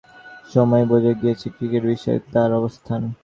ভারতের বিপক্ষে সিরিজ খেলার সময়ই বোঝা গিয়েছে ক্রিকেট বিশ্বে তাঁর অবস্থান।